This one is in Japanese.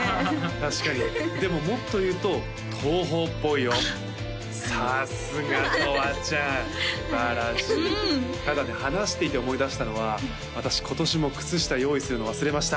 確かにでももっと言うと東宝っぽいよさすがとわちゃんすばらしいただね話していて思い出したのは私今年も靴下用意するの忘れました